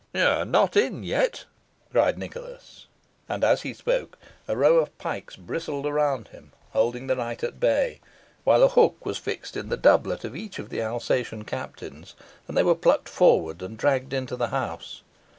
"You are not in yet," cried Nicholas. And as he spoke a row of pikes bristled around him, holding the knight at bay, while a hook was fixed in the doublet of each of the Alsatian captains, and they were plucked forward and dragged into the house.